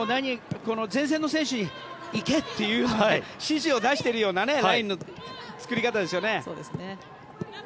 前線の選手に行けという指示を出しているようなラインの作り方ですよね。